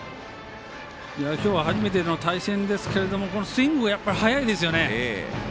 初めての対戦ですけどスイング、速いですよね。